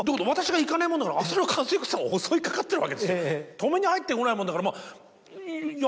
止めに入ってこないもんだから。